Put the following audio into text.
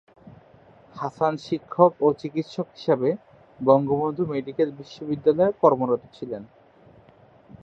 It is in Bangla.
হাসান শিক্ষক ও চিকিৎসক হিসাবে বঙ্গবন্ধু মেডিকেল বিশ্ববিদ্যালয়ে কর্মরত ছিলেন।